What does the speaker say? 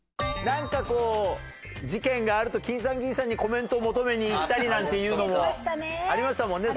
なんかこう事件があるときんさんぎんさんにコメント求めに行ったりなんていうのもありましたもんね